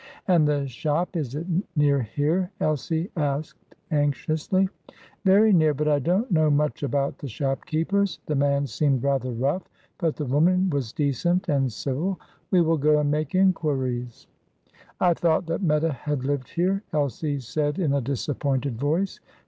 "And the shop is it near here?" Elsie asked anxiously. "Very near; but I don't know much about the shopkeepers. The man seemed rather rough, but the woman was decent and civil. We will go and make inquiries." "I thought that Meta had lived here," Elsie said in a disappointed voice.